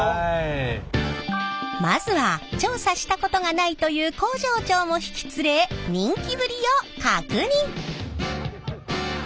まずは調査したことがないという工場長も引き連れ人気ぶりを確認！